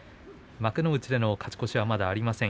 幕内での勝ち越しまだありません。